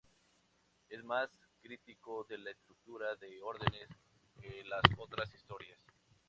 Es más crítico de la estructura de órdenes que las otras historias.